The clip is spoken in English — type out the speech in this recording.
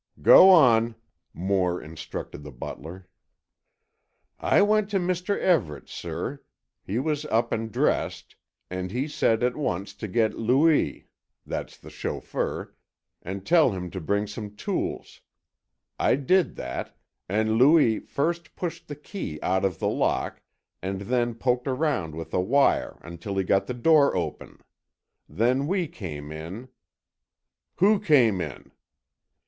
"Go on," Moore instructed the butler. "I went to Mr. Everett, sir, he was up and dressed, and he said, at once, to get Louis—that's the chauffeur—and tell him to bring some tools, I did that, and Louis first pushed the key out of the lock, and then poked around with a wire until he got the door open. Then we came in——" "Who came in?"